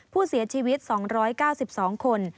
ผู้เสียชีวิต๒๙๒คน